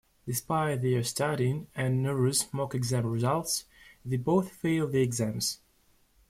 Despite their studying, and Naru's mock exam results, they both fail the exams.